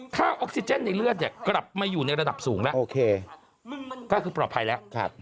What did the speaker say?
ออกซิเจนในเลือดกลับมาอยู่ในระดับสูงแล้วโอเคก็คือปลอดภัยแล้ว